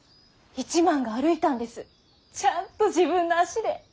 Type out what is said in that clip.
一幡が歩いたんですちゃんと自分の足で。